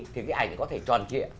thì cái ảnh có thể tròn kịa